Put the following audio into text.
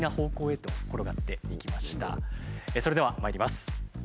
それではまいります。